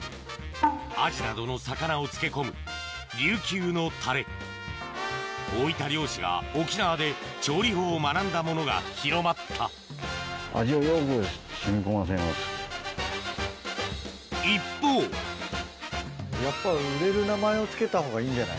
アジなどの魚を漬け込むりゅうきゅうのタレ大分漁師が沖縄で調理法を学んだものが広まった一方やっぱ。